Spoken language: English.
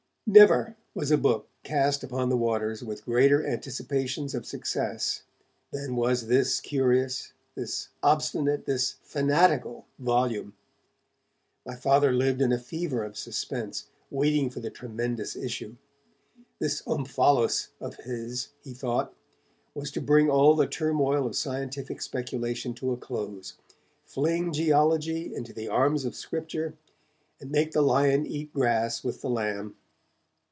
Never was a book cast upon the waters with greater anticipations of success than was this curious, this obstinate, this fanatical volume. My Father lived in a fever of suspense, waiting for the tremendous issue. This 'Omphalos' of his, he thought, was to bring all the turmoil of scientific speculation to a close, fling geology into the arms of Scripture, and make the lion eat grass with the lamb.